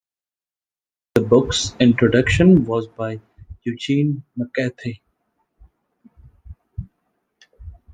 The book's introduction was by Eugene McCarthy.